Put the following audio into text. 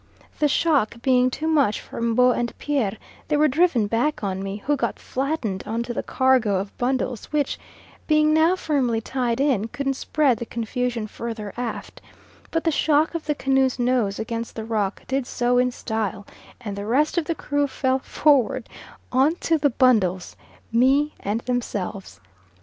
The shock being too much for M'bo and Pierre they were driven back on me, who got flattened on to the cargo of bundles which, being now firmly tied in, couldn't spread the confusion further aft; but the shock of the canoe's nose against the rock did so in style, and the rest of the crew fell forward on to the bundles, me, and themselves.